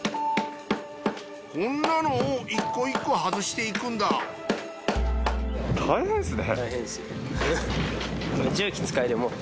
こんなのを一個一個外していくんだ大変ですね。